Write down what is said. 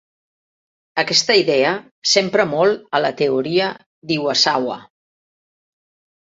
Aquesta idea s'empra molt a la teoria d'Iwasawa.